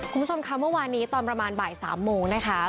คุณผู้ชมค่ะเมื่อวานนี้ตอนประมาณบ่าย๓โมงนะคะ